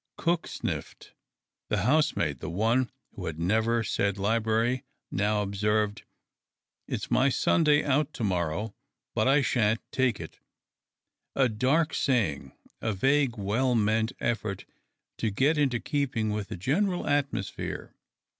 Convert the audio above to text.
Cook sniffed. The housemaid (the one who never said " library " now) observed :" It's my Sunday out to morrow, but I shan't take it "— a dark saying, a vague, well meant effort to get into keeping with the general atmosphere.